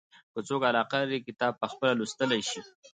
که څوک علاقه لري کتاب پخپله لوستلای شي.